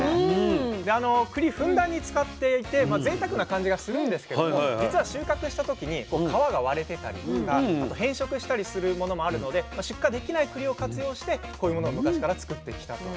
であのくりふんだんに使っていてぜいたくな感じがするんですけれどもじつは収穫した時に皮が割れてたりとかあと変色したりするものもあるので出荷できないくりを活用してこういうものを昔から作ってきたと。